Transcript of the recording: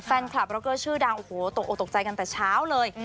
แฟนคลับร็อกเกอร์ชื่อดังโอ้โหตกออกตกใจกันแต่เช้าเลย